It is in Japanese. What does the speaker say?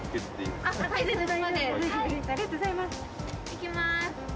いきます。